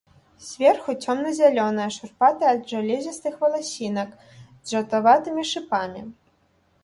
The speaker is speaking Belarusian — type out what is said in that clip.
Зверху цёмна-зялёнае, шурпатае ад жалезістых валасінак, з жаўтаватымі шыпамі.